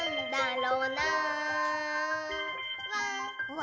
「わ！」